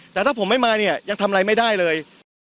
แต่ถ้าผมไม่มาเนี่ยยังทำอะไรไม่ได้เลย